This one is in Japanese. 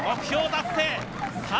目標達成！